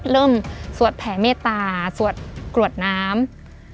เริ่มสวดแผลเมตตาสวดกรวดน้ำ